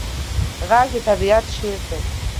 غږ د طبیعت شعر دی